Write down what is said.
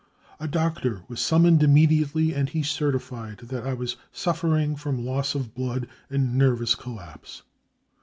A doctor was summoned immediately, and he certified that I was suffering from loss of blood and nervous collapse."